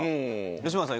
吉村さん